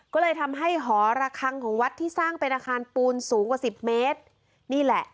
ก็เลยทำให้หอระคังของวัดที่สร้างเป็นอาคารปูนสูงกว่าสิบเมตรนี่แหละ